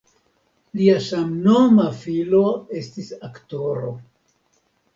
Lia samnoma filo estis aktoro.